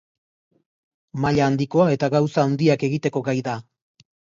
Maila handikoa eta gauza handiak egiteko gai da.